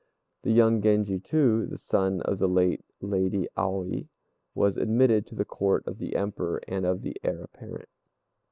The young Genji too, the son of the late Lady Aoi, was admitted to the Court of the Emperor and of the Heir apparent.